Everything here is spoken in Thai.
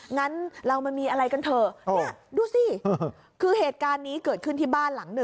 งั้นเรามามีอะไรกันเถอะ